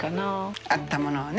合ったものをね。